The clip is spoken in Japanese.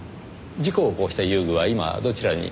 事故を起こした遊具は今どちらに？